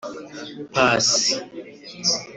Paccy